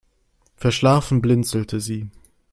Verschlafen blinzelte sie.